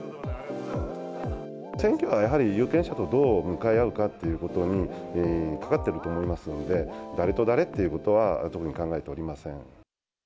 選挙はやはり、有権者とどう向かい合うかっていうことにかかってると思いますんで、誰と誰っていうことは、特に考えておりません。